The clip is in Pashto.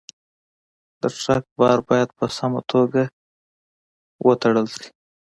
د ټرک بار باید په سمه توګه تړل شي.